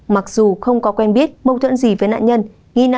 mặc dù không có quen biết mâu thuẫn gì với nạn nhân